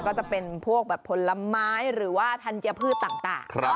ก็จะเป็นพวกแบบผลไม้หรือว่าธัญพืชต่าง